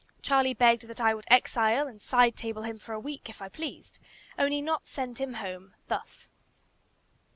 Charlie begged that I would "exile" and "side table" him for a week, if I pleased; only not send him home thus.